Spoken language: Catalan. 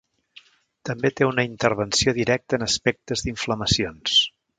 També té una intervenció directa en aspectes d'inflamacions.